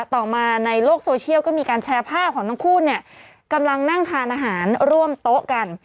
ต่อมาในโลกโซเชียลก็มีการแชร์ภาพของทั้งคู่เนี่ยกำลังนั่งทานอาหารร่วมโต๊ะกัน